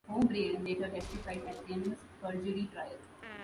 O'Brien later testified at Clemens' perjury trial.